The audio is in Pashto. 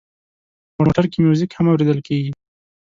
موټر کې میوزیک هم اورېدل کېږي.